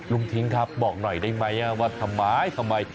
ทิ้งครับบอกหน่อยได้ไหมว่าทำไมทำไม